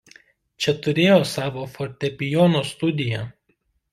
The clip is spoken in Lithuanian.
Čia turėjo savo fortepijono studiją.